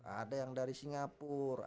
ada yang dari singapura